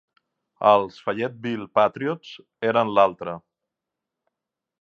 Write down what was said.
Els Fayetteville Patriots eren l'altre.